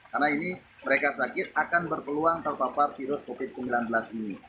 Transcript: karena ini mereka sakit akan berpeluang terpapar virus covid sembilan belas ini